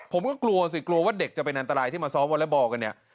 ผมก็กลัวสิกลัวว่าเด็กจะเป็นอันตรายที่มาซ้อมวอเล็กบอลกันเนี่ย